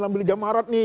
lagi jam marut nih